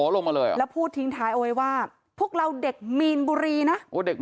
แล้วพูดทิ้งท้ายเอาไว้ว่าพวกเราเด็กมีนบุรีนะ